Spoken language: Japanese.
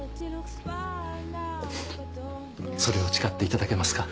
それを誓っていただけますか？